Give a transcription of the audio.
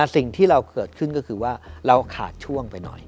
สิ่งที่เราเกิดขึ้นก็คือว่าเราขาดช่วงไปหน่อย